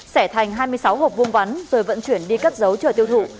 xẻ thành hai mươi sáu hộp vuông vắn rồi vận chuyển đi cất giấu cho tiêu thụ